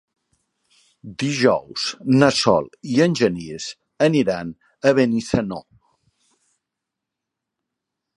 Dijous na Sol i en Genís aniran a Benissanó.